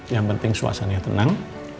yang penting suasannya tenang